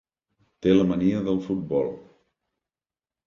Té la mania del futbol.